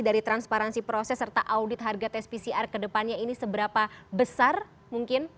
dari transparansi proses serta audit harga tes pcr kedepannya ini seberapa besar mungkin